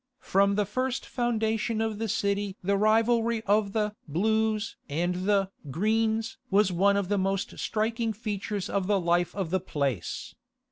From the first foundation of the city the rivalry of the "Blues" and the "Greens" was one of the most striking features of the life of the place.